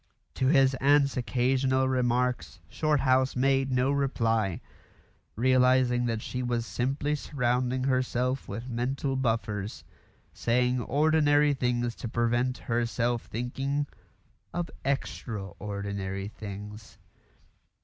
To his aunt's occasional remarks Shorthouse made no reply, realising that she was simply surrounding herself with mental buffers saying ordinary things to prevent herself thinking of extra ordinary things.